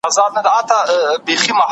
د مجموعي محصول یادونه باید هېره نه سي.